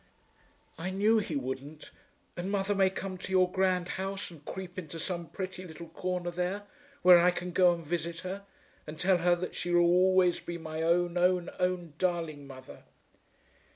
"I knew he wouldn't. And mother may come to your grand house and creep into some pretty little corner there, where I can go and visit her, and tell her that she shall always be my own, own, own darling mother."